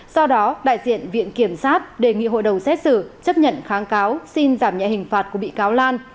do đó đại diện viện kiểm sát đề nghị hội đồng xét xử chấp nhận kháng cáo xin giảm nhẹ hình phạt của bị cáo lan